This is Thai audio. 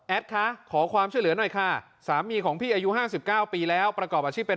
คะขอความช่วยเหลือหน่อยค่ะสามีของพี่อายุ๕๙ปีแล้วประกอบอาชีพเป็น